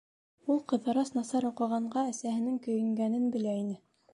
Ул Ҡыҙырас насар уҡығанға әсәһенең көйөнгәнен белә ине.